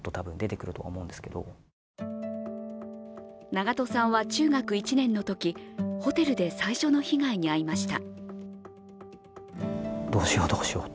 長渡さんは中学１年のときホテルで最初の被害に遭いました。